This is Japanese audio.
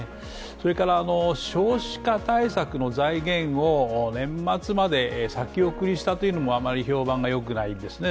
それから、少子化対策の財源を年末まで先送りしたのもあまり評判が良くないですね。